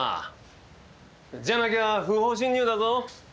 じゃなきゃ不法侵入だぞ。